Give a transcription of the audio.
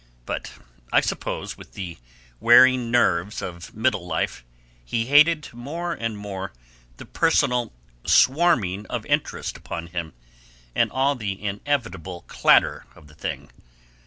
But I suppose, with the wearing nerves of middle life, he hated more and more the personal swarming of interest upon him, and all the inevitable clatter of the thing.